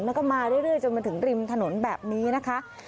แล้วก็มาเรื่อยจนมาถึงริมถนนแบบนี้นะคะ